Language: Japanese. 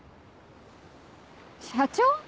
社長？